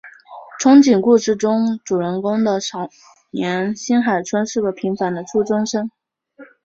憧憬故事中主人公的少年新海春是个平凡的初中生。